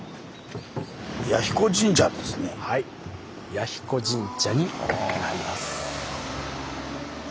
はい彌彦神社になります。